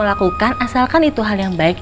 lakukan asalkan itu hal yang baik